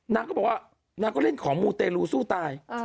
นางก็บอกว่านางก็เล่นของมูเตรลูสู้ตาย